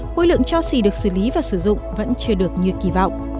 khối lượng cho xỉ được xử lý và sử dụng vẫn chưa được như kỳ vọng